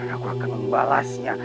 aku akan membalasnya